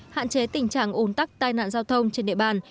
hạn chế tình trạng ủn tắc tai nạn giao thông trên địa bàn